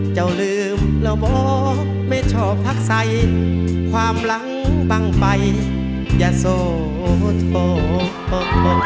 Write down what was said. ลืมแล้วบอกไม่ชอบพักใสความหลังบังไปอย่าโส